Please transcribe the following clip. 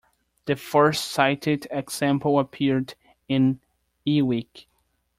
The first cited example appeared in eWeek.